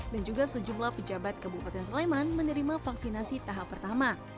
dan juga sejumlah pejabat ke bupati sleman menerima vaksinasi tahap pertama